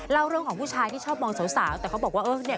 เล่าเรื่องของผู้ชายที่ชอบมองสาวแต่เขาบอกว่าเออเนี่ย